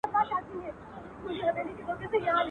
په څپو د اباسین دي خدای لاهو کړه کتابونه.